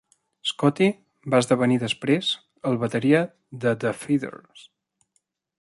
Scotti va esdevenir després el bateria de The Feederz.